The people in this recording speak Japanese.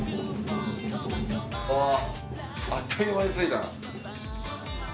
わあ、あっという間に着いたな。